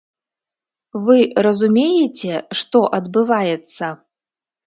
Вы разумееце, што адбываецца?